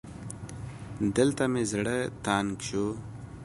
دلته مې زړه تنګ شو